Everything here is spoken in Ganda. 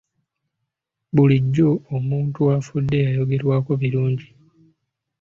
Bulijjo omuntu afudde ayogerwako birungi.